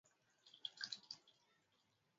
Kuonyesha vipashio vya kiima na kiarifu.